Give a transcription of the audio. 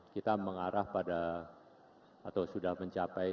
kita mengarah pada atau sudah mencapai